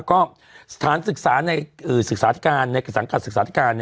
ก็สถานศึกษาธิการในสังกัดศึกษาธิการ